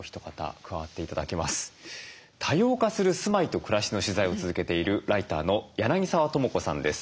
多様化する住まいと暮らしの取材を続けているライターの柳澤智子さんです。